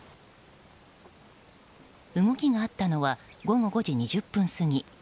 動きがあったのは午後５時２０分過ぎ。